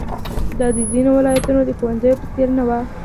دا د ځینو ولایتونو د ښوونځیو په څېر نه وه.